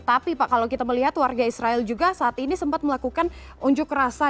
tapi pak kalau kita melihat warga israel juga saat ini sempat melakukan unjuk rasa